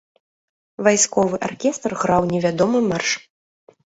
Вайсковы аркестр граў невядомы марш.